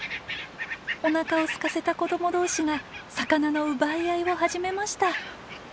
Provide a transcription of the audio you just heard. おなかをすかせた子ども同士が魚の奪い合いを始めました。